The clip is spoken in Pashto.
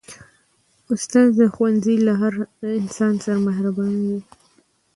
استاد د ښوونځي له هر انسان سره مهربانه وي.